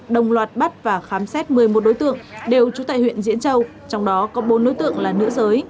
đồng loạt bắt và khám xét một mươi một đối tượng đều trú tại huyện diễn châu trong đó có bốn đối tượng là nữ giới